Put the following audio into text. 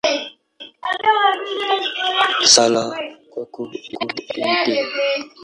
Sala kwa Mt.